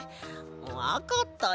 わかったよ。